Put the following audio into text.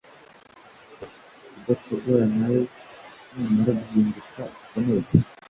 kudacogora Nawe numara guhinduka ukomeze